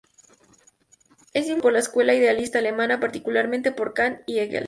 Es influenciado por la escuela Idealista alemana, particularmente por Kant y Hegel.